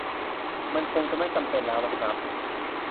มันคงจะไม่จำเป็นแล้วล่ะครับ